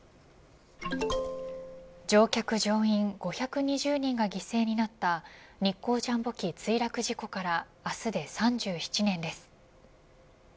乗客乗員５２０人が犠牲になった日航ジャンボ機墜落事件から明日で３７年です。